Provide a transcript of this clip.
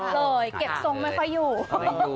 เงิบเลยเก็บทรงไว้ไฟอยู่